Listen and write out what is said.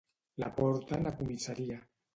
La porten a comissaria.